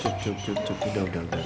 tidur minyaknya sayang